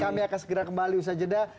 kami akan segera kembali usaha jeda